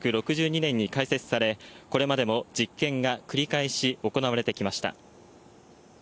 能代ロケット実験場は１９６２年に開設され、これまでにも実験が繰り返し行われてきました。